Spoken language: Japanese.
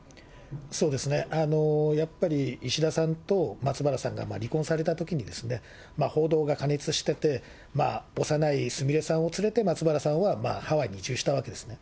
そうですね、やっぱり石田さんと松原さんが離婚されたときに、報道が過熱してて、幼いすみれさんを連れて、松原さんはハワイに移住したわけですね。